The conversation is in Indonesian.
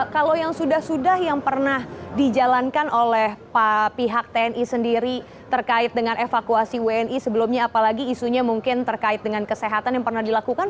kalau yang sudah sudah yang pernah dijalankan oleh pihak tni sendiri terkait dengan evakuasi wni sebelumnya apalagi isunya mungkin terkait dengan kesehatan yang pernah dilakukan